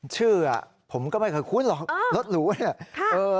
ชื่อผมก็ไม่เคยคุ้นหรอกรถหรูเนี่ย